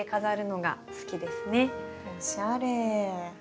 おしゃれ！